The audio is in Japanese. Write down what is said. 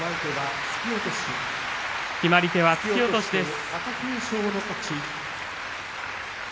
決まり手は突き落としです。